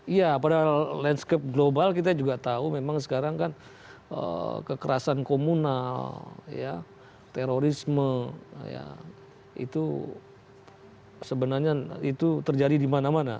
iya pada landscape global kita juga tahu memang sekarang kan kekerasan komunal terorisme itu sebenarnya itu terjadi di mana mana